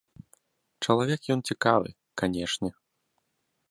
Чалавек ён цікавы, канечне.